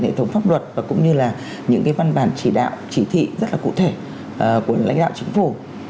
hệ thống pháp luật và cũng như là những cái văn bản chỉ đạo chỉ thị rất là cụ thể của lãnh đạo chính phủ